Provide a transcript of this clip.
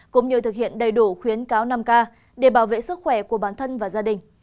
cũng như thực hiện đầy đủ khuyến cáo năm k để bảo vệ sức khỏe của bản thân và gia đình